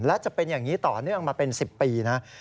และจะเป็นอย่างนี้ต่อเนื่องมาเป็น๑๐ปีนะ